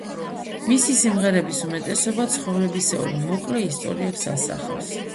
მისი სიმღერების უმეტესობა ცხოვრებისეულ მოკლე ისტორიებს ასახავს.